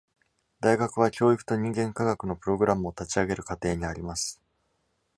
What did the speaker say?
大学は教育と人間科学のプログラムを立ち上げる過程にあります。